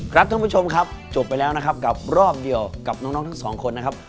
ครับท่านผู้ชมครับจบไปแล้วนะครับกับรอบเดียวกับน้องทั้งสองคนนะครับ